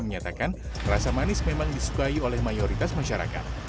menyatakan rasa manis memang disukai oleh mayoritas masyarakat